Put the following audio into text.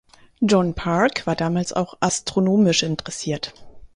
John Parke war damals auch astronomisch interessiert.